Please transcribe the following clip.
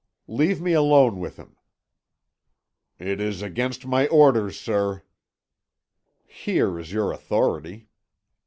"Leave me alone with him." "It is against my orders, sir." "Here is your authority."